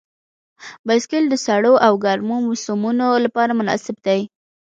بایسکل د سړو او ګرمو موسمونو لپاره مناسب دی.